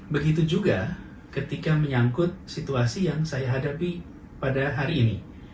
begitu juga ketika menyangkut situasi yang saya hadapi pada hari ini